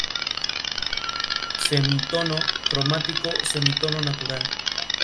Joseph trabajó principalmente como pintor de animales, pintando escenas de caza.